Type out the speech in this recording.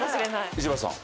石橋さん。